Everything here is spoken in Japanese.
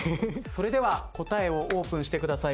それでは答えをオープンしてください